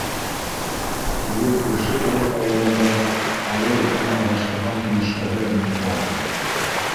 Теге күрше урыҫ ауылында «айыу итенә» алыштырған көмөшкәһе лә бөтөп бара.